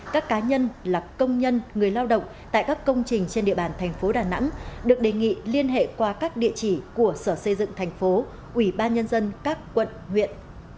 các cá nhân là công nhân người lao động tại các công trình trên địa bàn thành phố đà nẵng được đề nghị liên hệ qua các địa chỉ của sở xây dựng thành phố ubnd các quận huyện